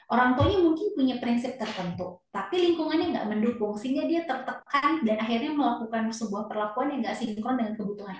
orang tuanya mungkin punya prinsip tertentu tapi lingkungannya nggak mendukung sehingga dia tertekan dan akhirnya melakukan sebuah perlakuan yang nggak sinkron dengan kebutuhan